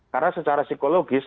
karena secara psikologis